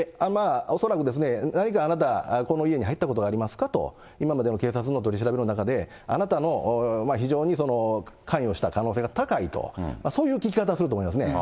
恐らく、何かあなた、この家に入ったことがありますかと、今の警察の取り調べの中で、あなたの非常に関与した可能性が高いと、そういう聞き方すると思いますね。